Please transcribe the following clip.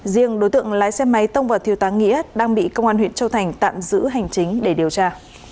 riêng đối tượng lái xe máy tông vào thiêu tá nghĩa đang bị công an huyện châu thành tạm giữ hành chính để điều tra